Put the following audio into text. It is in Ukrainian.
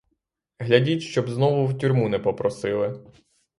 Глядіть, щоб знову в тюрму не попросили.